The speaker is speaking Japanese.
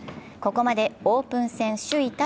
ここまでオープン戦首位